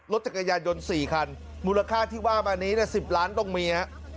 รถจักรยานยนต์๔คันมูลค่าที่ว่ามานี้๑๐ล้านต้องมีฮะ